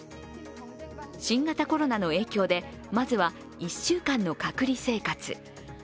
新型コロナの影響でまずは１週間の隔離生活。